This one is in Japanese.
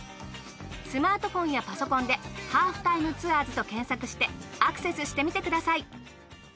スマートフォンやパソコンで『ハーフタイムツアーズ』と検索してアクセスしてみてください。